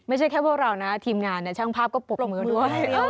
ไม่ใช่แค่พวกเรานะทีมงานช่างภาพก็ปรบมือด้วย